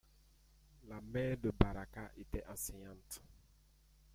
La mère de Barakat était enseignante.